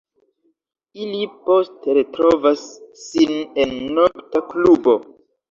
Ili poste retrovas sin en nokta klubo.